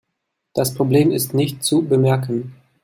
Das Problem ist nicht zu bemerken.